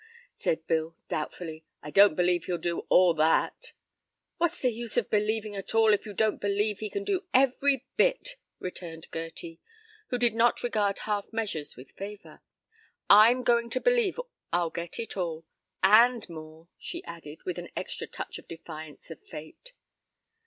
said Bill, doubtfully, "I don't believe he'll do all that." "What's the use of believing at all if you don't believe he can do every bit?" returned Gerty, who did not regard half measures with favor. "I'm goin' to believe I'll git it all and more," she added, with an extra touch of defiance of fate.